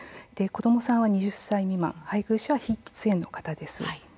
子どもさんは２０歳未満配偶者は非喫煙の方です。